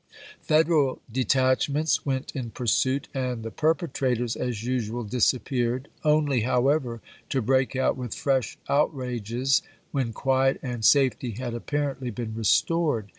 Federal detachments went in pursuit, and the perpetrators as usual disappeared, only, how ever, to break out with fresh outrages when quiet and safety had apparently been restored.